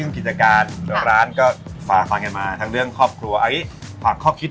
พอรถติดเอาโจ๊กไว้ขายอย่างงี้มีไหม